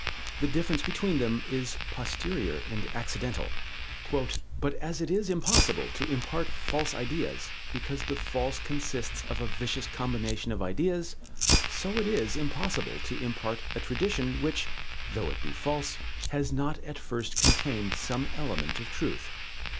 The difference between them is posterior and accidental. "But, as it is impossible to impart false ideas, because the false consists of a vicious combination of ideas, so it is impossible to impart a tradition, which, though it be false, has not at first contained some element of truth.